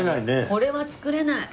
これは作れない！